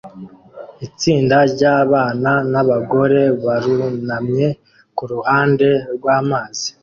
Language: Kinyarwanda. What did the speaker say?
Itsinda ryabana nabagore barunamye kuruhande rwamazi